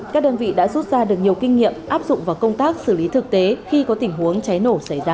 các đơn vị đã rút ra được nhiều kinh nghiệm áp dụng vào công tác xử lý thực tế khi có tình huống cháy nổ xảy ra